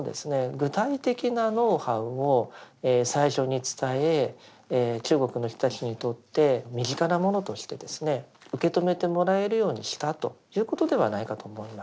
具体的なノウハウを最初に伝え中国の人たちにとって身近なものとしてですね受け止めてもらえるようにしたということではないかと思います。